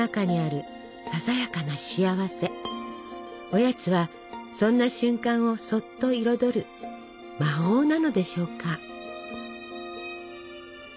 おやつはそんな瞬間をそっと彩る魔法なのでしょうか。